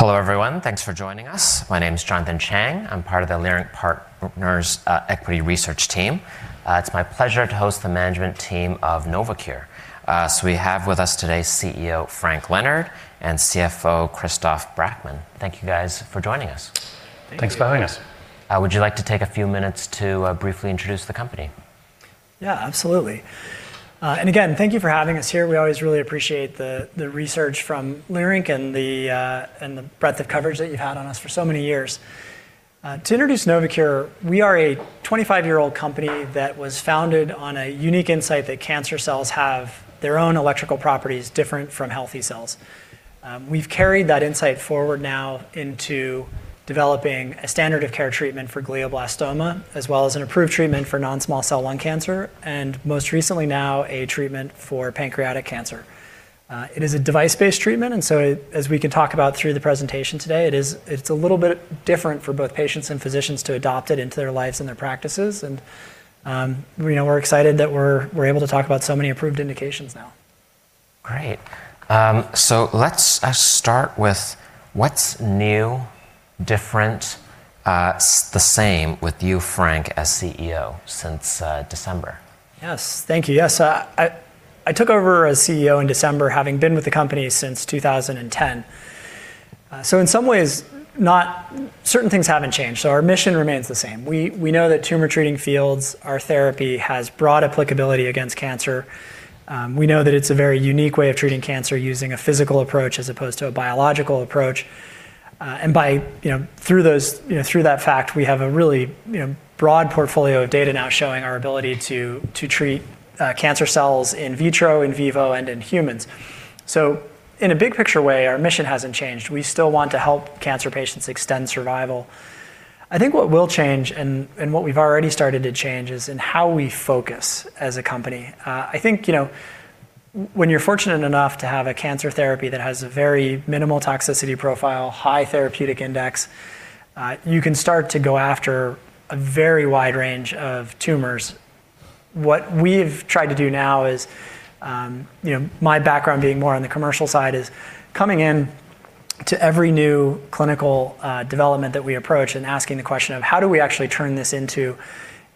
Hello everyone. Thanks for joining us. My name's Jonathan Chang. I'm part of the Leerink Partners equity research team. It's my pleasure to host the management team of Novocure. We have with us today CEO Frank Leonard and CFO Christoph Brackmann. Thank you guys for joining us. Thank you. Thanks for having us. Would you like to take a few minutes to briefly introduce the company? Yeah, absolutely. Again, thank you for having us here. We always really appreciate the research from Leerink and the breadth of coverage that you've had on us for so many years. To introduce Novocure, we are a 25-year-old company that was founded on a unique insight that cancer cells have their own electrical properties different from healthy cells. We've carried that insight forward now into developing a standard of care treatment for glioblastoma, as well as an approved treatment for non-small cell lung cancer and most recently now a treatment for pancreatic cancer. It is a device-based treatment, as we can talk about through the presentation today, it is. It's a little bit different for both patients and physicians to adopt it into their lives and their practices and, you know, we're excited that we're able to talk about so many approved indications now. Great. Let's start with what's new, different, the same with you, Frank, as CEO since December? Yes. Thank you. Yes. I took over as CEO in December, having been with the company since 2010. In some ways certain things haven't changed. Our mission remains the same. We know that Tumor Treating Fields, our therapy has broad applicability against cancer. We know that it's a very unique way of treating cancer using a physical approach as opposed to a biological approach. By, you know, through those, you know, through that fact, we have a really, you know, broad portfolio of data now showing our ability to treat cancer cells in vitro, in vivo, and in humans. In a big picture way, our mission hasn't changed. We still want to help cancer patients extend survival. I think what will change and what we've already started to change is in how we focus as a company. I think, you know, when you're fortunate enough to have a cancer therapy that has a very minimal toxicity profile, high therapeutic index, you can start to go after a very wide range of tumors. What we've tried to do now is, you know, my background being more on the commercial side, is coming in to every new clinical development that we approach and asking the question of, "How do we actually turn this into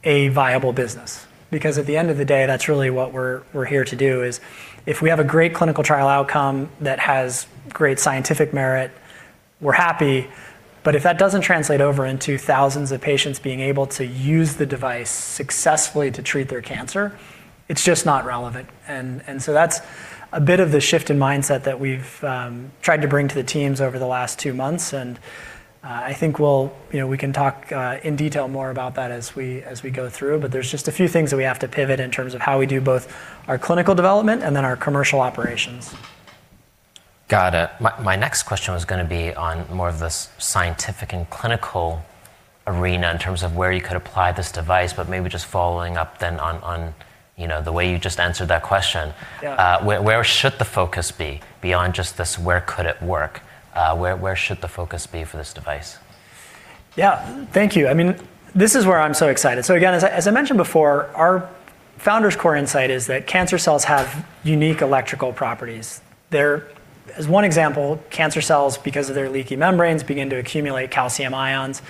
a viable business?" Because at the end of the day, that's really what we're here to do, is if we have a great clinical trial outcome that has great scientific merit, we're happy. If that doesn't translate over into thousands of patients being able to use the device successfully to treat their cancer, it's just not relevant. That's a bit of the shift in mindset that we've tried to bring to the teams over the last two months and I think we'll, you know, we can talk in detail more about that as we go through, but there's just a few things that we have to pivot in terms of how we do both our clinical development and then our commercial operations. Got it. My next question was gonna be on more of the scientific and clinical arena in terms of where you could apply this device. Maybe just following up then on, you know, the way you just answered that question. Yeah. Where should the focus be beyond just this, where could it work? Where should the focus be for this device? Yeah. Thank you. I mean, this is where I'm so excited. Again, as I mentioned before, our founder's core insight is that cancer cells have unique electrical properties. As one example, cancer cells, because of their leaky membranes, begin to accumulate calcium ions,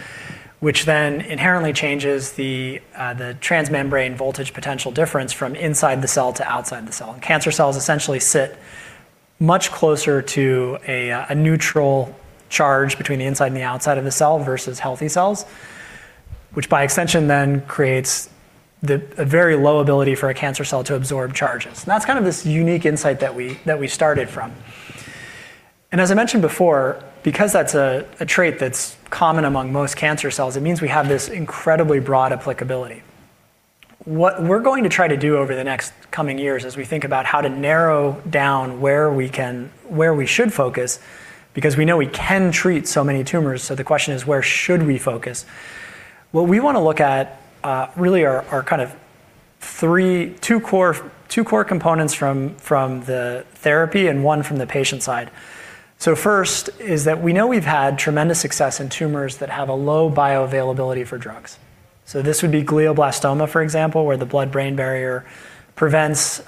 which then inherently changes the transmembrane voltage potential difference from inside the cell to outside the cell. Cancer cells essentially sit much closer to a neutral charge between the inside and the outside of the cell versus healthy cells, which by extension then creates a very low ability for a cancer cell to absorb charges. That's kind of this unique insight that we started from. As I mentioned before, because that's a trait that's common among most cancer cells, it means we have this incredibly broad applicability. What we're going to try to do over the next coming years is we think about how to narrow down where we should focus, because we know we can treat so many tumors, so the question is, where should we focus? What we wanna look at really are two core components from the therapy and one from the patient side. First is that we know we've had tremendous success in tumors that have a low bioavailability for drugs. This would be glioblastoma, for example, where the blood-brain barrier prevents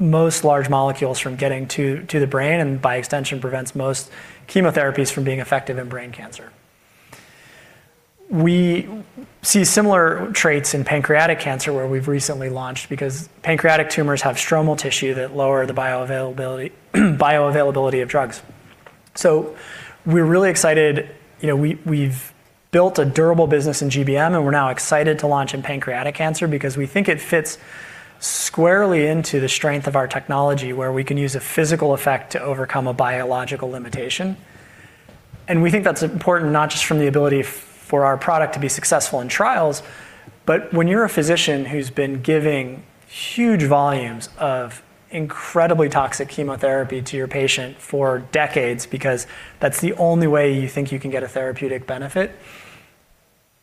most large molecules from getting to the brain, and by extension, prevents most chemotherapies from being effective in brain cancer. We see similar traits in pancreatic cancer, where we've recently launched because pancreatic tumors have stromal tissue that lower the bioavailability of drugs. We're really excited. You know, we've built a durable business in GBM, and we're now excited to launch in pancreatic cancer because we think it fits squarely into the strength of our technology, where we can use a physical effect to overcome a biological limitation. We think that's important, not just from the ability for our product to be successful in trials, but when you're a physician who's been giving huge volumes of incredibly toxic chemotherapy to your patient for decades because that's the only way you think you can get a therapeutic benefit,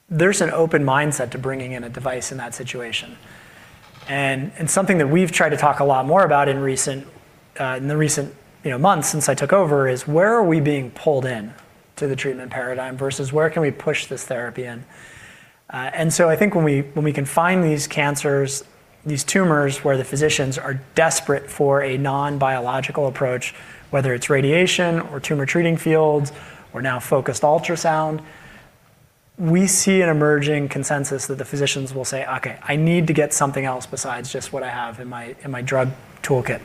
there's an open mindset to bringing in a device in that situation. Something that we've tried to talk a lot more about in recent, you know, months since I took over is where are we being pulled into the treatment paradigm versus where can we push this therapy in? I think when we can find these cancers, these tumors where the physicians are desperate for a non-biological approach, whether it's radiation or Tumor Treating Fields or now focused ultrasound, we see an emerging consensus that the physicians will say, "Okay, I need to get something else besides just what I have in my drug toolkit."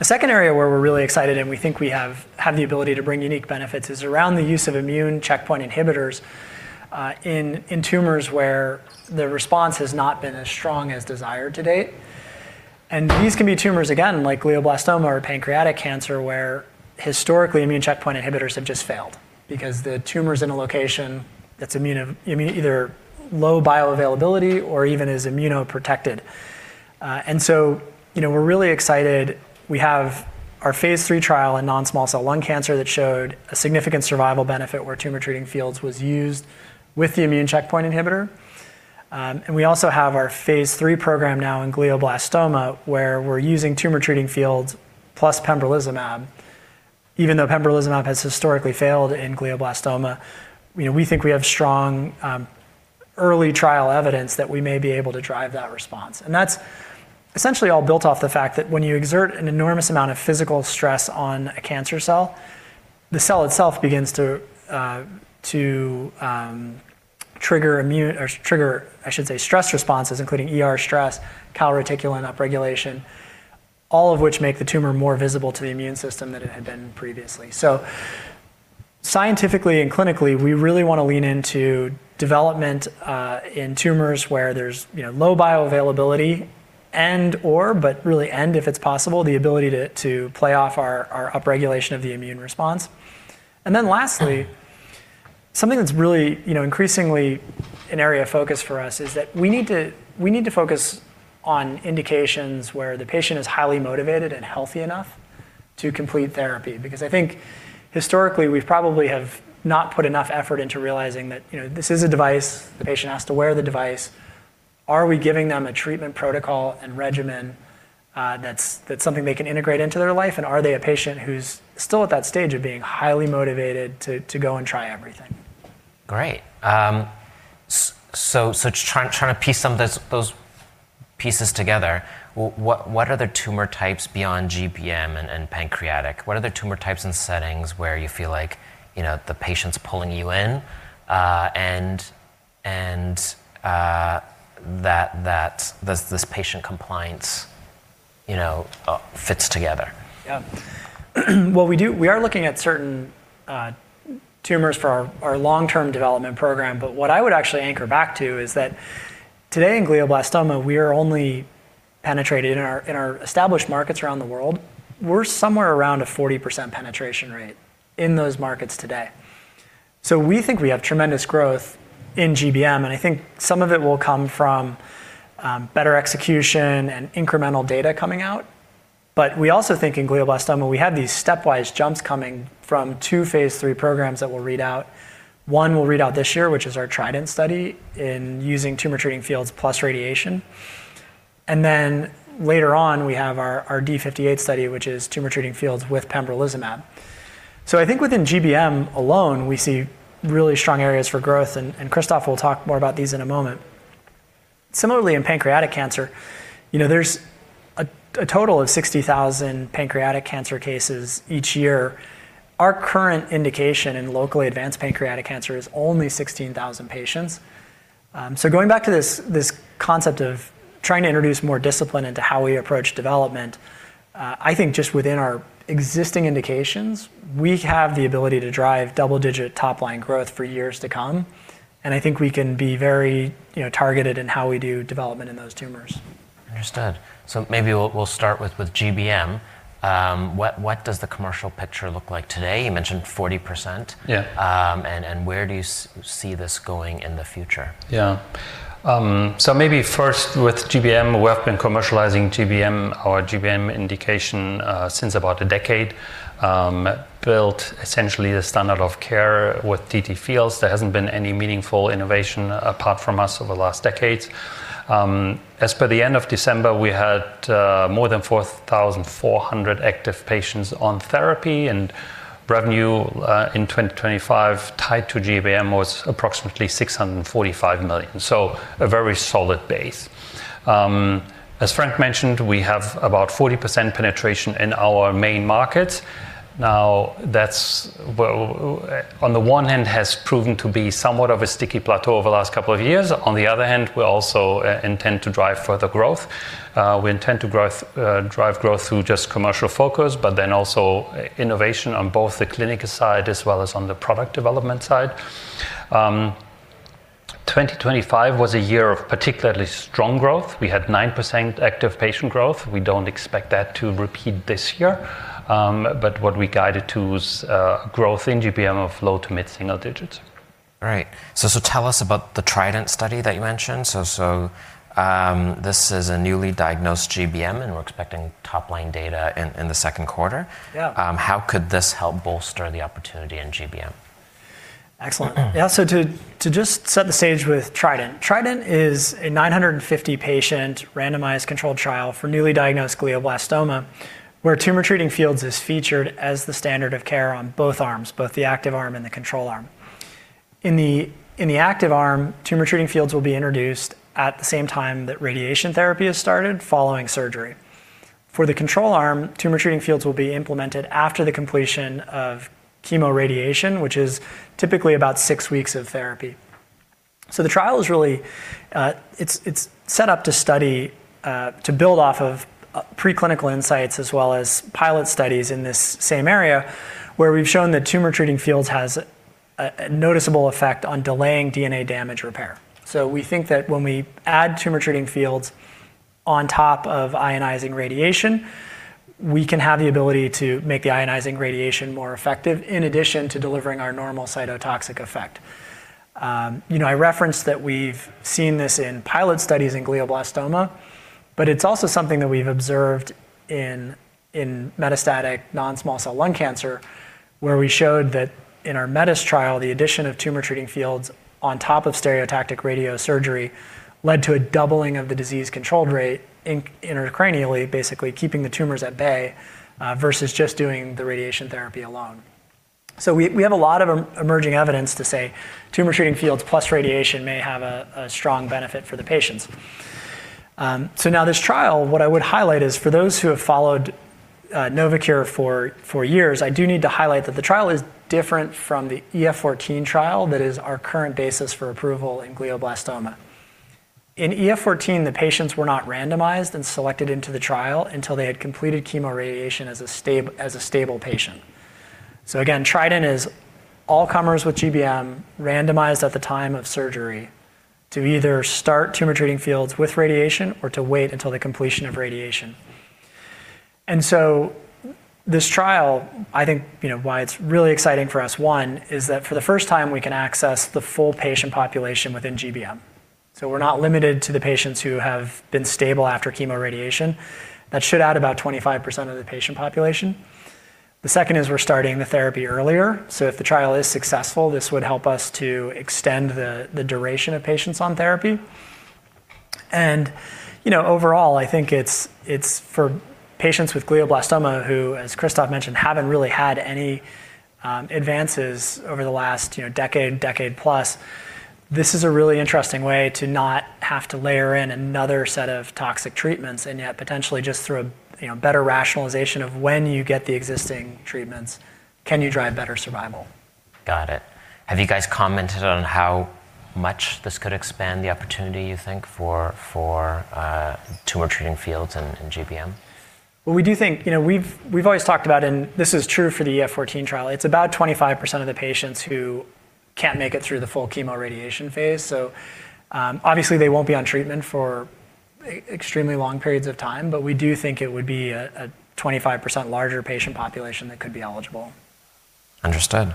A second area where we're really excited and we think we have the ability to bring unique benefits is around the use of immune checkpoint inhibitors in tumors where the response has not been as strong as desired to date. These can be tumors, again, like glioblastoma or pancreatic cancer, where historically immune checkpoint inhibitors have just failed because the tumor's in a location that's either low bioavailability or even is immuno-protected. You know, we're really excited. We have our phase 3 trial in non-small cell lung cancer that showed a significant survival benefit where Tumor Treating Fields was used with the immune checkpoint inhibitor. We also have our phase 3 program now in glioblastoma, where we're using Tumor Treating Fields plus pembrolizumab. Even though pembrolizumab has historically failed in glioblastoma, you know, we think we have strong, early trial evidence that we may be able to drive that response. That's essentially all built off the fact that when you exert an enormous amount of physical stress on a cancer cell, the cell itself begins to trigger immune. or trigger, I should say, stress responses, including ER stress, calreticulin upregulation, all of which make the tumor more visible to the immune system than it had been previously. Scientifically and clinically, we really wanna lean into development in tumors where there's, you know, low bioavailability and/or, but really and if it's possible, the ability to play off our upregulation of the immune response. Then lastly, something that's really, you know, increasingly an area of focus for us is that we need to focus on indications where the patient is highly motivated and healthy enough to complete therapy. Because I think historically we probably have not put enough effort into realizing that, you know, this is a device the patient has to wear. Are we giving them a treatment protocol and regimen, that's something they can integrate into their life? Are they a patient who's still at that stage of being highly motivated to go and try everything? Great. Trying to piece some of those pieces together, what are the tumor types beyond GBM and pancreatic? What are the tumor types and settings where you feel like, you know, the patient's pulling you in, and that this patient compliance, you know, fits together? We are looking at certain tumors for our long-term development program, but what I would actually anchor back to is that today in glioblastoma, we are only penetrated in our established markets around the world. We're somewhere around a 40% penetration rate in those markets today. We think we have tremendous growth in GBM, and I think some of it will come from better execution and incremental data coming out. We also think in glioblastoma, we have these stepwise jumps coming from two phase 3 programs that we'll read out. One we'll read out this year, which is our TRIDENT study in using Tumor Treating Fields plus radiation. Then later on, we have our KEYNOTE-D58 study, which is Tumor Treating Fields with pembrolizumab. I think within GBM alone, we see really strong areas for growth, and Christoph will talk more about these in a moment. Similarly, in pancreatic cancer, you know, there's a total of 60,000 pancreatic cancer cases each year. Our current indication in locally advanced pancreatic cancer is only 16,000 patients. Going back to this concept of trying to introduce more discipline into how we approach development, I think just within our existing indications, we have the ability to drive double-digit top-line growth for years to come, and I think we can be very, you know, targeted in how we do development in those tumors. Understood. Maybe we'll start with GBM. What does the commercial picture look like today? You mentioned 40%. Yeah. Where do you see this going in the future? Yeah. Maybe first with GBM, we have been commercializing GBM or GBM indication since about a decade, built essentially the standard of care with TT Fields. There hasn't been any meaningful innovation apart from us over the last decades. As per the end of December, we had more than 4,400 active patients on therapy, and revenue in 2025 tied to GBM was approximately $645 million. A very solid base. As Frank mentioned, we have about 40% penetration in our main markets. Now, that's well on the one hand has proven to be somewhat of a sticky plateau over the last couple of years. On the other hand, we also intend to drive further growth. We intend to grow, drive growth through just commercial focus, but then also innovation on both the clinical side as well as on the product development side. 2025 was a year of particularly strong growth. We had 9% active patient growth. We don't expect that to repeat this year. What we guided to was growth in GBM of low- to mid-single digits. All right. Tell us about the TRIDENT study that you mentioned. This is a newldiagnosed GBM, and we're expecting top-line data in the second quarter. Yeah. How could this help bolster the opportunity in GBM? Excellent. Yeah. To just set the stage with TRIDENT. TRIDENT is a 950-patient randomized controlled trial for newly diagnosed glioblastoma, where Tumor Treating Fields is featured as the standard of care on both arms, both the active arm and the control arm. In the active arm, Tumor Treating Fields will be introduced at the same time that radiation therapy is started following surgery. For the control arm, Tumor Treating Fields will be implemented after the completion of chemoradiation, which is typically about six weeks of therapy. The trial is really, it's set up to study, to build off of, preclinical insights as well as pilot studies in this same area, where we've shown that Tumor Treating Fields has a noticeable effect on delaying DNA damage repair. We think that when we add Tumor Treating Fields on top of ionizing radiation, we can have the ability to make the ionizing radiation more effective in addition to delivering our normal cytotoxic effect. You know, I referenced that we've seen this in pilot studies in glioblastoma, but it's also something that we've observed in metastatic non-small cell lung cancer, where we showed that in our METIS trial, the addition of Tumor Treating Fields on top of stereotactic radiosurgery led to a doubling of the disease control rate intracranially, basically keeping the tumors at bay, versus just doing the radiation therapy alone. We have a lot of emerging evidence to say Tumor Treating Fields plus radiation may have a strong benefit for the patients. Now this trial, what I would highlight is for those who have followed Novocure for years, I do need to highlight that the trial is different from the EF-14 trial that is our current basis for approval in glioblastoma. In EF-14, the patients were not randomized and selected into the trial until they had completed chemoradiation as a stable patient. Again, TRIDENT is all comers with GBM randomized at the time of surgery to either start tumor treating fields with radiation or to wait until the completion of radiation. This trial, I think, you know, why it's really exciting for us, one, is that for the first time, we can access the full patient population within GBM. We're not limited to the patients who have been stable after chemoradiation. That should add about 25% of the patient population. The second is we're starting the therapy earlier, so if the trial is successful, this would help us to extend the duration of patients on therapy. You know, overall, I think it's for patients with glioblastoma who, as Christoph mentioned, haven't really had any advances over the last, you know, decade plus. This is a really interesting way to not have to layer in another set of toxic treatments and yet potentially just through a, you know, better rationalization of when you get the existing treatments, can you drive better survival? Got it. Have you guys commented on how much this could expand the opportunity, you think, for Tumor Treating Fields in GBM? Well, we do think. You know, we've always talked about, and this is true for the EF-14 trial, it's about 25% of the patients who can't make it through the full chemoradiation phase, so obviously they won't be on treatment for extremely long periods of time. We do think it would be a 25% larger patient population that could be eligible. Understood.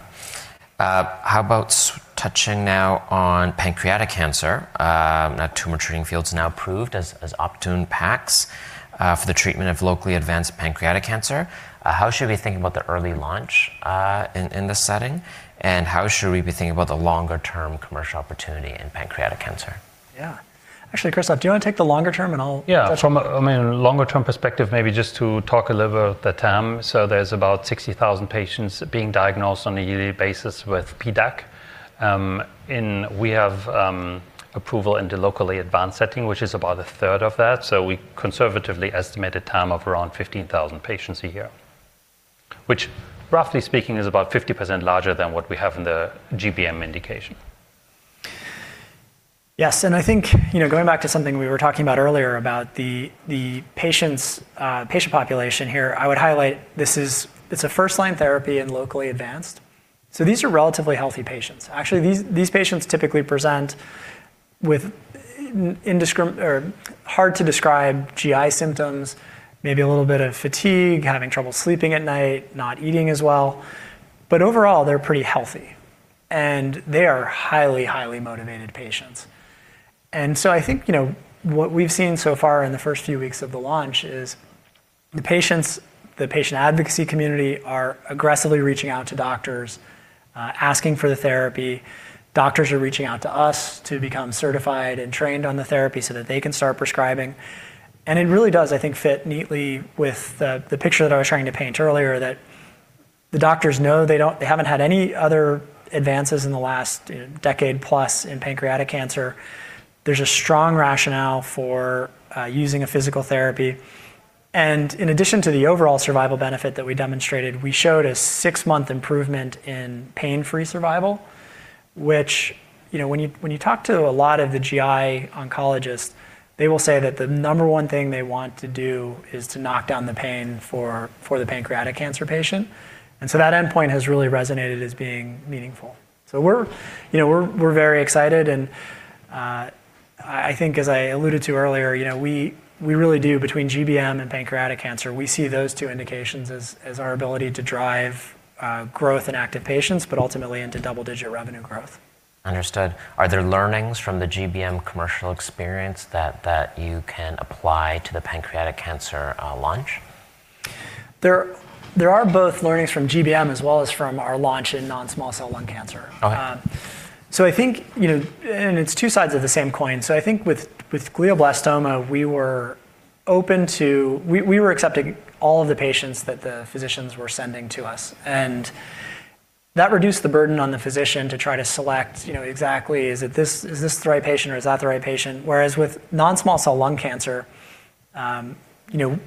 How about touching now on pancreatic cancer, that Tumor Treating Fields is now approved as Optune PANOVA for the treatment of locally advanced pancreatic cancer. How should we think about the early launch in this setting, and how should we be thinking about the longer term commercial opportunity in pancreatic cancer? Yeah. Actually, Christoph, do you wanna take the longer term, and I'll touch on- Yeah. From a, I mean, longer term perspective, maybe just to talk a little about the TAM.There's about 60,000 patients being diagnosed on a yearly basis with PDAC, and we have approval in the locally advanced setting, which is about a third of that. We conservatively estimate a TAM of around 15,000 patients a year. Which roughly speaking is about 50% larger than what we have in the GBM indication. Yes. I think, you know, going back to something we were talking about earlier about the patients, patient population here, I would highlight this is—it's a first line therapy in locally advanced, so these are relatively healthy patients. Actually, these patients typically present with or hard to describe GI symptoms, maybe a little bit of fatigue, having trouble sleeping at night, not eating as well. But overall, they're pretty healthy, and they are highly motivated patients. I think, you know, what we've seen so far in the first few weeks of the launch is the patients, the patient advocacy community are aggressively reaching out to doctors, asking for the therapy. Doctors are reaching out to us to become certified and trained on the therapy so that they can start prescribing. It really does, I think, fit neatly with the picture that I was trying to paint earlier, that the doctors know they haven't had any other advances in the last decade plus in pancreatic cancer. There's a strong rationale for using a physical therapy. In addition to the overall survival benefit that we demonstrated, we showed a six-month improvement in pain-free survival, which, you know, when you talk to a lot of the GI oncologists, they will say that the number one thing they want to do is to knock down the pain for the pancreatic cancer patient. That endpoint has really resonated as being meaningful. We're very excited, you know, and I think as I alluded to earlier, you know, we really do between GBM and pancreatic cancer, we see those two indications as our ability to drive growth in active patients, but ultimately into double-digit revenue growth. Understood. Are there learnings from the GBM commercial experience that you can apply to the pancreatic cancer launch? There are both learnings from GBM as well as from our launch in non-small cell lung cancer. Okay. I think, you know, it's two sides of the same coin. I think with glioblastoma, we were accepting all of the patients that the physicians were sending to us, and that reduced the burden on the physician to try to select, you know, exactly is it this, is this the right patient or is that the right patient. Whereas with non-small cell lung cancer, you know,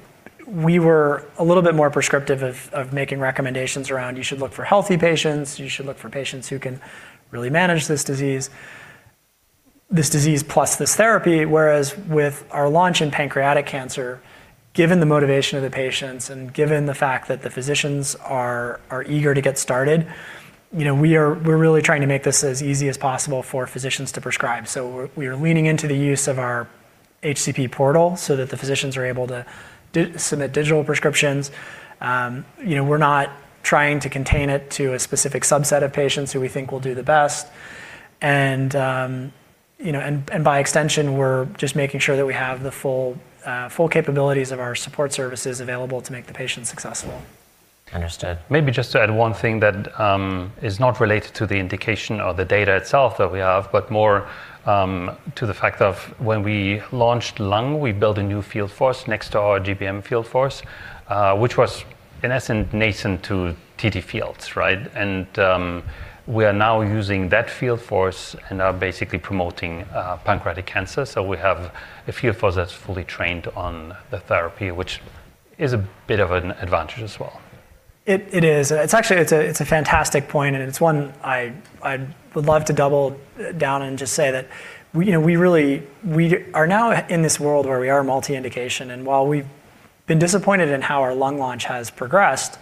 we were a little bit more prescriptive of making recommendations around, you should look for healthy patients, you should look for patients who can really manage this disease, this disease plus this therapy. Whereas with our launch in pancreatic cancer, given the motivation of the patients and given the fact that the physicians are eager to get started, you know, we're really trying to make this as easy as possible for physicians to prescribe. We're leaning into the use of our HCP portal so that the physicians are able to e-submit digital prescriptions. You know, we're not trying to contain it to a specific subset of patients who we think will do the best. By extension, we're just making sure that we have the full capabilities of our support services available to make the patient successful. Understood. Maybe just to add one thing that is not related to the indication of the data itself that we have, but more to the fact of when we launched lung, we built a new field force next to our GBM field force, which was in essence nascent to TT Fields, right? We are now using that field force and are basically promoting pancreatic cancer. We have a field force that's fully trained on the therapy, which is a bit of an advantage as well. It is. It's actually a fantastic point, and it's one I would love to double down and just say that we, you know, we really are now in this world where we are multi-indication, and while we've been disappointed in how our lung launch has progressed,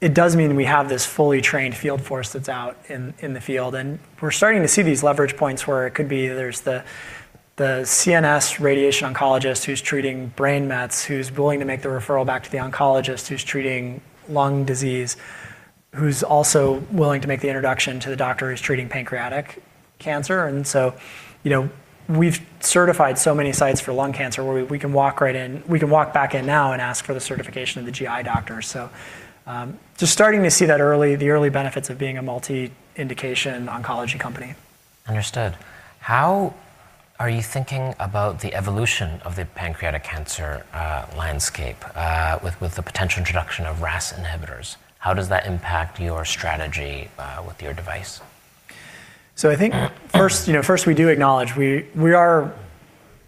it does mean we have this fully trained field force that's out in the field. We're starting to see these leverage points where it could be there's the CNS radiation oncologist who's treating brain mets, who's willing to make the referral back to the oncologist, who's treating lung disease, who's also willing to make the introduction to the doctor who's treating pancreatic cancer. you know, we've certified so many sites for lung cancer where we can walk right in, we can walk back in now and ask for the certification of the GI doctor. Just starting to see that early benefits of being a multi-indication oncology company. Understood. How are you thinking about the evolution of the pancreatic cancer landscape with the potential introduction of KRAS inhibitors? How does that impact your strategy with your device? I think first, you know, first we do acknowledge we are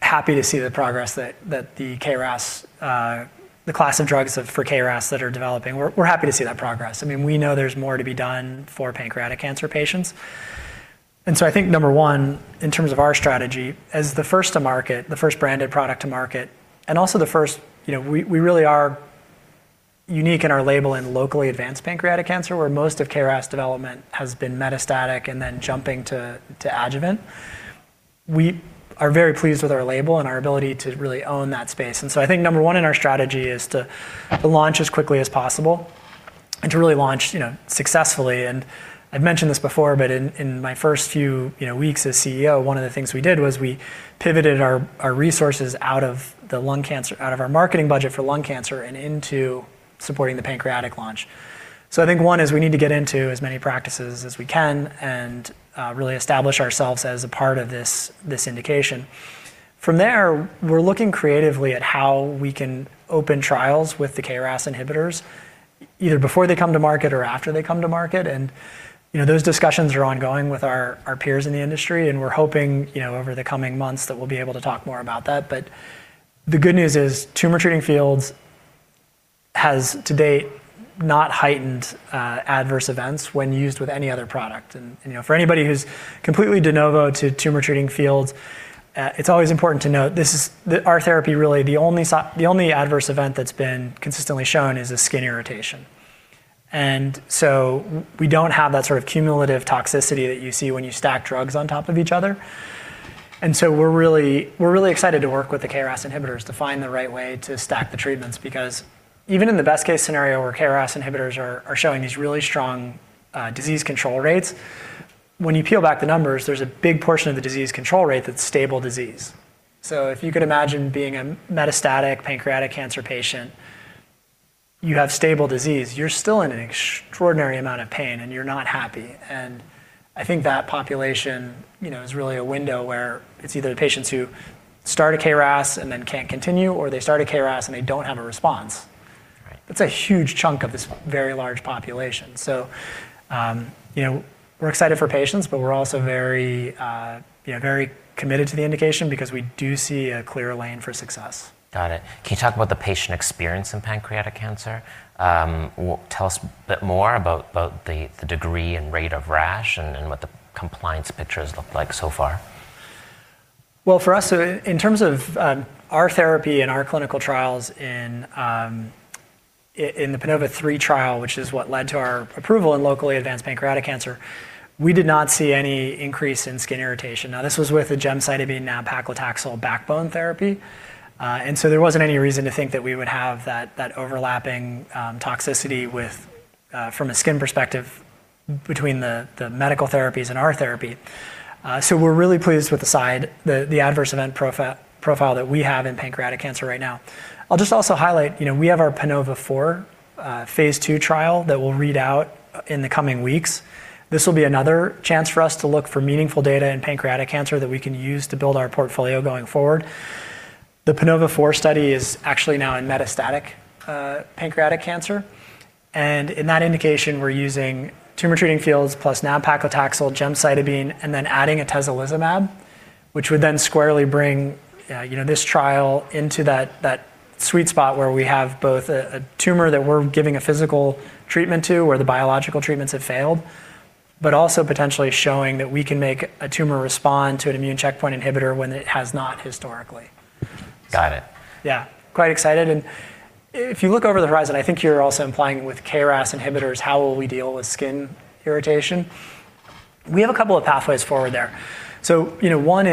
happy to see the progress that the KRAS, the class of drugs for KRAS that are developing. We're happy to see that progress. I mean, we know there's more to be done for pancreatic cancer patients. I think number one, in terms of our strategy as the first to market, the first branded product to market, and also the first, you know, we really are unique in our label in locally advanced pancreatic cancer, where most of KRAS development has been metastatic and then jumping to adjuvant. We are very pleased with our label and our ability to really own that space. I think number one in our strategy is to launch as quickly as possible and to really launch, you know, successfully. I've mentioned this before, but in my first few, you know, weeks as CEO, one of the things we did was we pivoted our resources out of our marketing budget for lung cancer and into supporting the pancreatic launch. I think one is we need to get into as many practices as we can and really establish ourselves as a part of this indication. From there, we're looking creatively at how we can open trials with the KRAS inhibitors, either before they come to market or after they come to market. Those discussions are ongoing with our peers in the industry, and we're hoping, you know, over the coming months that we'll be able to talk more about that. The good news is, Tumor Treating Fields has to date not heightened adverse events when used with any other product. You know, for anybody who's completely de novo to Tumor Treating Fields, it's always important to note this is our therapy really, the only adverse event that's been consistently shown is a skin irritation. We don't have that sort of cumulative toxicity that you see when you stack drugs on top of each other. We're really excited to work with the KRAS inhibitors to find the right way to stack the treatments, because even in the best case scenario, where KRAS inhibitors are showing these really strong disease control rates, when you peel back the numbers, there's a big portion of the disease control rate that's stable disease. If you could imagine being a metastatic pancreatic cancer patient, you have stable disease, you're still in an extraordinary amount of pain and you're not happy. I think that population, you know, is really a window where it's either the patients who start a KRAS and then can't continue or they start a KRAS and they don't have a response. Right. That's a huge chunk of this very large population. You know, we're excited for patients, but we're also very, you know, very committed to the indication because we do see a clear lane for success. Got it. Can you talk about the patient experience in pancreatic cancer? Tell us a bit more about the degree and rate of rash and what the compliance pictures look like so far. Well, for us, in terms of, our therapy and our clinical trials in, the PANOVA-3 trial, which is what led to our approval in locally advanced pancreatic cancer, we did not see any increase in skin irritation. Now, this was with a gemcitabine nab-paclitaxel backbone therapy. And so there wasn't any reason to think that we would have that overlapping, toxicity with, from a skin perspective between the medical therapies and our therapy. So we're really pleased with the adverse event profile that we have in pancreatic cancer right now. I'll just also highlight, you know, we have our PANOVA-4, phase 2 trial that will read out in the coming weeks. This will be another chance for us to look for meaningful data in pancreatic cancer that we can use to build our portfolio going forward. The PANOVA-4 study is actually now in metastatic pancreatic cancer, and in that indication, we're using tumor treating fields plus nab-paclitaxel, gemcitabine, and then adding atezolizumab, which would then squarely bring, you know, this trial into that sweet spot where we have both a tumor that we're giving a physical treatment to, where the biological treatments have failed, but also potentially showing that we can make a tumor respond to an immune checkpoint inhibitor when it has not historically. Got it. Yeah. Quite excited. If you look over the horizon, I think you're also implying with KRAS inhibitors, how will we deal with skin irritation? We have a couple of pathways forward there. You know, one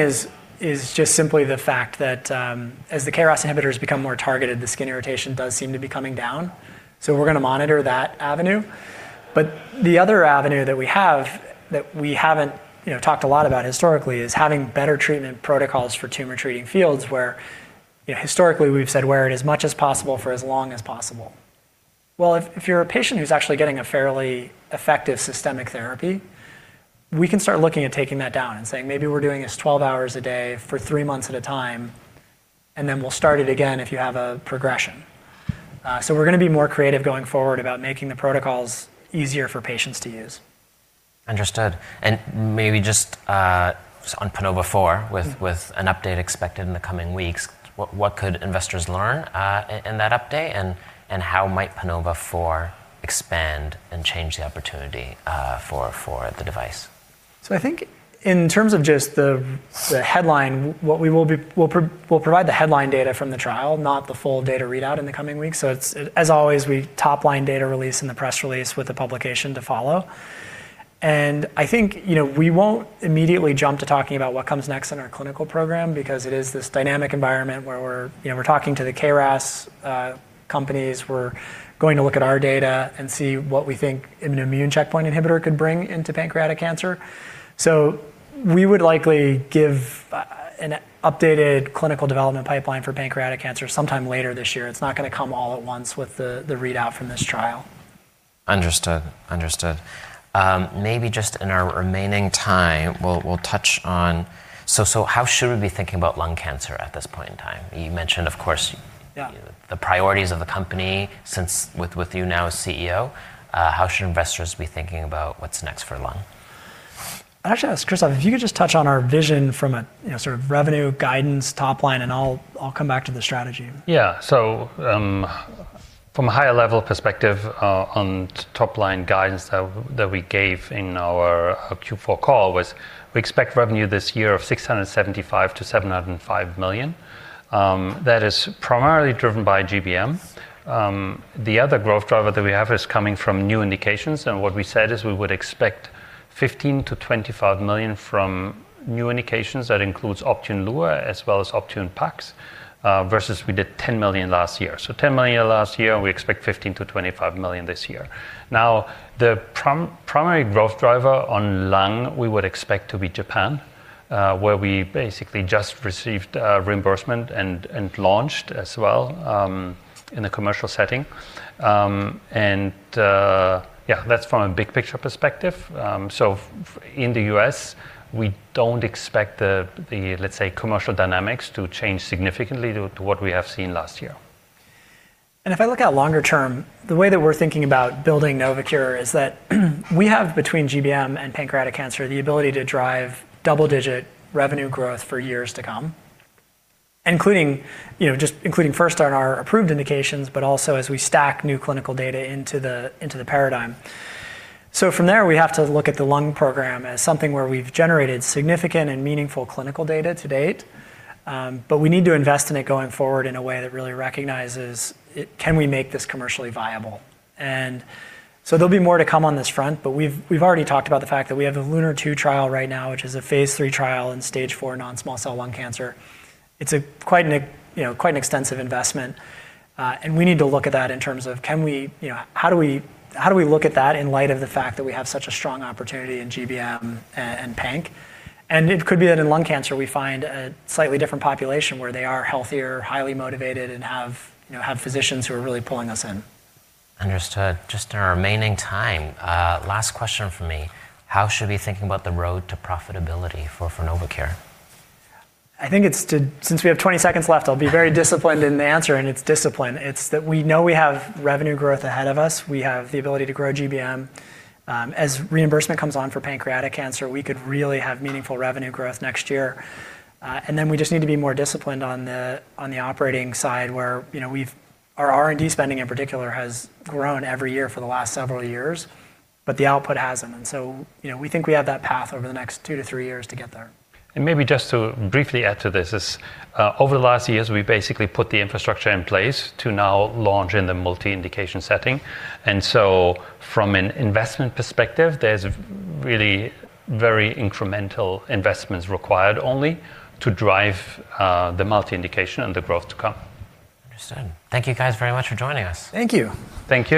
is just simply the fact that as the KRAS inhibitors become more targeted, the skin irritation does seem to be coming down, so we're gonna monitor that avenue. The other avenue that we have that we haven't you know talked a lot about historically is having better treatment protocols for Tumor Treating Fields where you know historically we've said wear it as much as possible for as long as possible. Well, if you're a patient who's actually getting a fairly effective systemic therapy, we can start looking at taking that down and saying, "Maybe we're doing this 12 hours a day for three months at a time, and then we'll start it again if you have a progression." We're gonna be more creating going forward about making the protocols easier for patients to use. Understood. Maybe just on PANOVA-4. with an update expected in the coming weeks, what could investors learn in that update and how might PANOVA-4 expand and change the opportunity for the device? I think in terms of just the headline, we'll provide the headline data from the trial, not the full data readout in the coming weeks. It's, as always, a top-line data release in the press release with the publication to follow. I think, you know, we won't immediately jump to talking about what comes next in our clinical program because it is this dynamic environment where we're, you know, we're talking to the KRAS companies. We're going to look at our data and see what we think an immune checkpoint inhibitor could bring into pancreatic cancer. We would likely give an upgraded clinical development pipeline for pancreatic cancer sometime later this year. It's not gonna come all at once with the readout from this trial. Understood. Maybe just in our remaining time, we'll touch on how should we be thinking about lung cancer at this point in time? You mentioned, of course. Yeah... the priorities of the company since with you now as CEO. How should investors be thinking about what's next for lung? Actually, Christoph, if you could just touch on our vision from a, you know, sort of revenue guidance top line, and I'll come back to the strategy. Yeah. From a higher level perspective, on top line guidance that we gave in our Q4 call was we expect revenue this year of $675 million-$705 million. That is primarily driven by GBM. The other growth driver that we have is coming from new indications, and what we said is we would expect $15 million-$25 million from new indications. That includes Optune Lua as well as Optune Pax, versus we did $10 million last year. $10 million last year, and we expect $15 million-$25 million this year. Now, the primary growth driver on lung, we would expect to be Japan, where we basically just received reimbursement and launched as well, in a commercial setting. Yeah, that's from a big picture perspective. In the US, we don't expect the, let's say, commercial dynamics to change significantly to what we have seen last year. If I look out longer term, the way that we're thinking about building Novocure is that we have between GBM and pancreatic cancer, the ability to drive double-digit revenue growth for years to come, including, you know, just including first on our approved indications, but also as we stack new clinical data into the, into the paradigm. From there, we have to look at the lung program as something where we've generated significant and meaningful clinical data to date, but we need to invest in it going forward in a way that really recognizes can we make this commercially viable. There'll be more to come on this front, but we've already talked about the fact that we have a LUNAR-2 trial right now, which is a phase 3 trial in stage 4 non-small cell lung cancer. It's quite an extensive investment, you know, and we need to look at that in terms of can we, you know, how do we look at that in light of the fact that we have such a strong opportunity in GBM and panc? It could be that in lung cancer we find a slightly different population where they are healthier, highly motivated, and have physicians who are really pulling us in. Understood. Just in our remaining time, last question from me. How should we be thinking about the road to profitability for Novocure? Since we have 20 seconds left, I'll be very disciplined in the answer, and it's discipline. It's that we know we have revenue growth ahead of us. We have the ability to grow GBM. As reimbursement comes on for pancreatic cancer, we could really have meaningful revenue growth next year. And then we just need to be more disciplined on the operating side where, you know, our R&D spending in particular has grown every year for the last several years, but the output hasn't been. You know, we think we have that path over the next two to three years to get there. Maybe just to briefly add to this is, over the last years, we basically put the infrastructure in place to now launch in the multi-indication setting. From an investment perspective, there's really very incremental investments required only to drive, the multi-indication and the growth to come. Understood. Thank you guys very much for joining us. Thank you. Thank you.